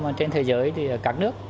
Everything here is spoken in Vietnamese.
mà trên thế giới thì ở các nước